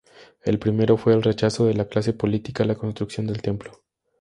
El primero fue el rechazo de la clase política a la construcción del templo.